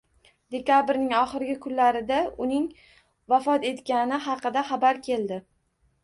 Dekabrning oxirgi kunlarida uning vafot etgani haqida xabar keldi